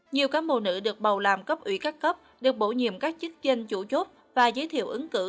nhiều cán bộ nữ được bầu làm cấp ủy các cấp được bổ nhiệm các chức danh chủ chốt và giới thiệu ứng cử